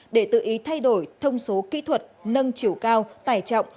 để tự ý thay đổi thông số kỹ thuật nâng chiều cao tải trọng